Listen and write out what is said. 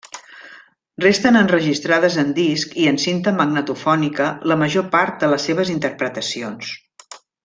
Resten enregistrades en disc i en cinta magnetofònica la major part de les seves interpretacions.